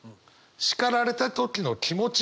叱られた時の気持ち